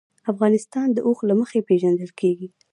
افغانستان د اوښ له مخې پېژندل کېږي.